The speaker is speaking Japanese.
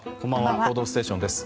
「報道ステーション」です。